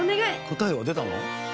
答えは出たの？